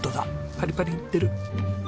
パリパリいってる。